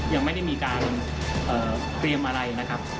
ยังไม่ได้มีการเตรียมอะไรนะครับ